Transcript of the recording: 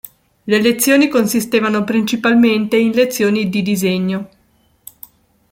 Le lezioni consistevano principalmente in lezioni di disegno.